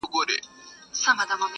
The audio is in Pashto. زه له فطرته عاشقي کومه ښه کومه ,